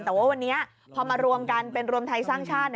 แต่ว่าวันนี้พอมารวมกันเป็นรวมไทยสร้างชาติ